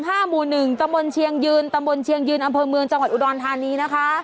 หมู่๑ตำบลเชียงยืนตำบลเชียงยืนอำเภอเมืองจังหวัดอุดรธานีนะคะ